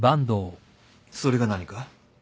それが何か？